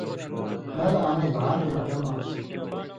مہ لہ امَیں بھانہ نھالم آن٘س۔